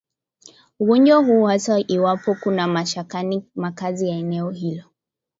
ugonjwa huu hasa iwapo kuna maskani au makazi yao eneo hilo